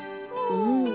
うん。